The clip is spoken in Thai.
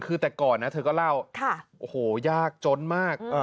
คือแต่ก่อนนะเธอก็เล่าโอ้โหยากจนมาก